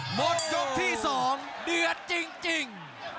หมดยกที่๒เดือดจริง